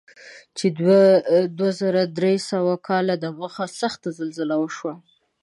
چې دوه زره درې سوه کاله دمخه سخته زلزله وشوه.